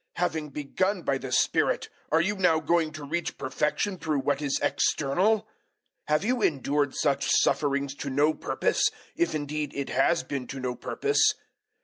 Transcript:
Having begun by the Spirit, are you now going to reach perfection through what is external? 003:004 Have you endured such sufferings to no purpose if indeed it has been to no purpose?